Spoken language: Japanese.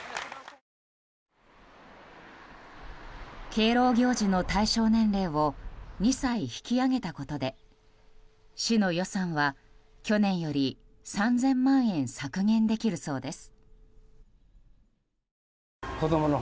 敬老行事の対象年齢を２歳引き上げたことで市の予算は去年より３０００万円削減できるそうです。